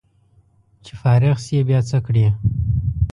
چې فارغ شې بیا به څه کړې